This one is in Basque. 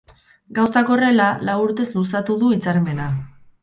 Gauzak horrela, lau urtez luzatu du hitzarmena.